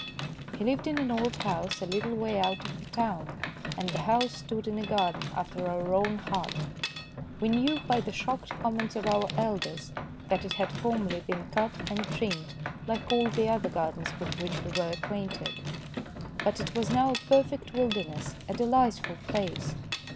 He lived in an old house a little way out of the town, and the house stood in a garden after our own heart. We knew by the THE WOOL GATHERER 199 shocked comments of our elders that it had formerly been cut and trimmed like all the other gardens with which we were acquainted, but it was now a perfect wilder ness, a delightful place.